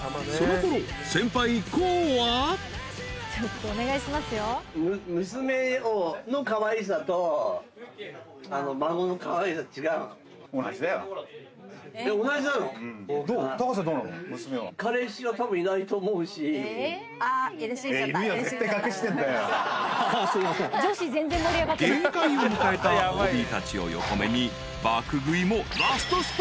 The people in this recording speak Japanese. ［限界を迎えたＯＢたちを横目に爆食いもラストスパート］